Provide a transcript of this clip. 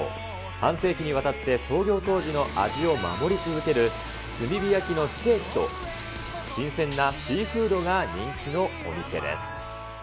半世紀にわたって創業当時の味を守り続ける炭火焼きのステーキと、新鮮なシーフードが人気のお店です。